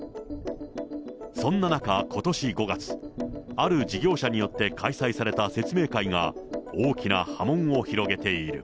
そんな中、ことし５月、ある事業者によって開催された説明会が、大きな波紋を広げている。